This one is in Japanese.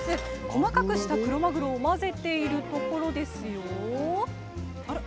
細かくしたクロマグロを混ぜているところですよ。